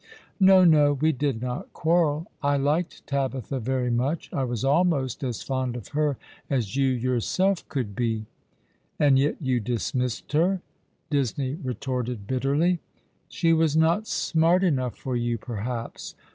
" No, no ; we did not quarrel. I liked Tabitha very much. I was almost as fond of her as you yourself could be." " And yet you dismissed her !" Disney retorted bitterly. "She was not smart enough for you, perhaps.'